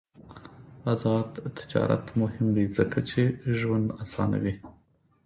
آزاد تجارت مهم دی ځکه چې ژوند اسانوي.